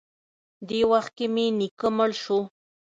دې وخت کښې مې نيکه مړ سو.